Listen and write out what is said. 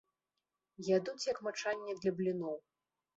Ядуць як мачанне для бліноў.